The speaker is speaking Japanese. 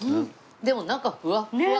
でも中ふわっふわ。